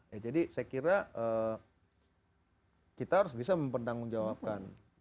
ya jadi saya kira kita harus bisa mempertanggung jawabkan